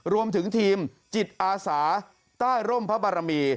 รวมถึงทีมจิตอาสาใต้ร่มพระบารมี